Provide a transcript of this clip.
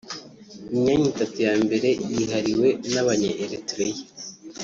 imyanya itatu ya mbere yihariwe n’abanya Eritrea